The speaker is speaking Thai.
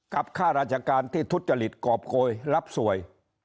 ค่าราชการที่ทุจริตกรอบโกยรับสวย